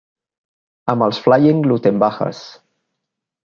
Amb els Flying Luttenbachers